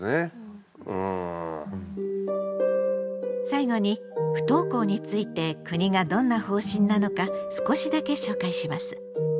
最後に不登校について国がどんな方針なのか少しだけ紹介します。